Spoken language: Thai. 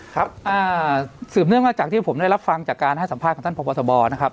ครับสืบเนื่องมาจากที่ผมได้รับฟังจากการให้สัมภาษณ์ของท่านพบทบนะครับ